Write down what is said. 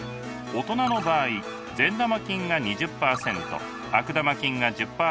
大人の場合善玉菌が２０％悪玉菌が１０％